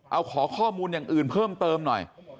เอาขอข้อมูลอย่างอื่นเพิ่มเติมหน่อย